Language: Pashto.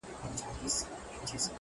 راسه يوار راسه صرف يوه دانه خولگۍ راكړه”